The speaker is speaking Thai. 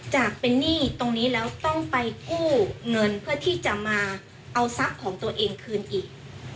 จากเป็นหนี้ตรงนี้แล้วต้องไปกู้เงินเพื่อที่จะมาเอาทรัพย์ของตัวเองคืนอีก